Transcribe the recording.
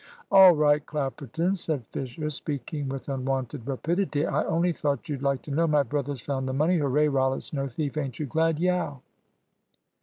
"All right, Clapperton," said Fisher, speaking with unwonted rapidity. "I only thought you'd like to know my brother's found the money. Hurray! Rollitt's no thief; ain't you glad? Yeow!"